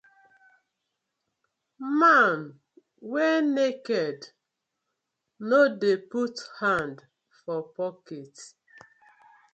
Man wey naked no dey put hand for pocket:.